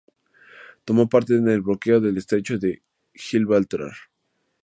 Tomó parte en el bloqueo del estrecho de Gibraltar.